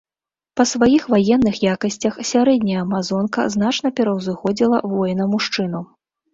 Па сваіх ваенных якасцях сярэдняя амазонка значна пераўзыходзіла воіна-мужчыну.